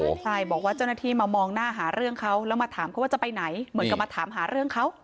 ใช่บอกว่าเจ้าหน้าที่มามองหน้าหาเรื่องเขาแล้วมาถามเขาว่าจะไปไหนเหมือนกับมาถามหาเรื่องเขา